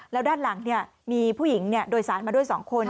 แล้วด้านหลังมีผู้หญิงโดยสารมาด้วย๒คน